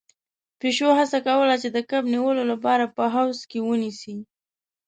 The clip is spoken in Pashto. پيشو هڅه کوله چې د کب نيولو لپاره په حوض کې ونيسي.